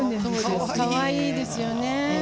かわいいですよね。